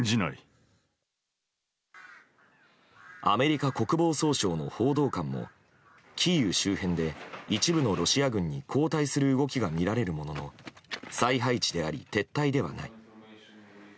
アメリカ国防総省の報道官もキーウ周辺で一部のロシア軍に後退する動きが見られるものの再配置であり撤退ではない。